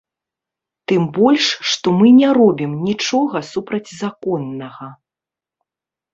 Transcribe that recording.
Тым больш, што мы не робім нічога супрацьзаконнага.